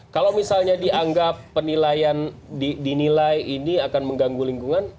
kalau misalnya dianggap penilaian dinilai ini akan mengganggu lingkungan